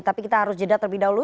tapi kita harus jeda terlebih dahulu